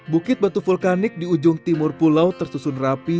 bukit batu vulkanik di ujung timur pulau tersusun rapi